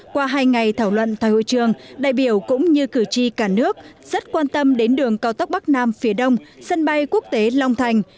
qua hai ngày thảo luận tại hội trường đại biểu cũng như cử tri cả nước rất quan tâm đến đường cao tốc bắc nam phía đông sân bay quốc tế long thành